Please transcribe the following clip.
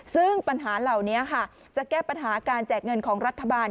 ซึ่งปัญหาเหล่านี้ค่ะจะแก้ปัญหาการแจกเงินของรัฐบาล